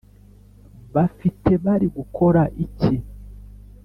Bafite bari gukora iki